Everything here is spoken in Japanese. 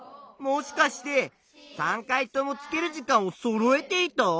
もしかして３回とも付ける時間をそろえていた？